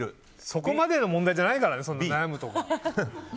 そこまでの問題じゃないからね。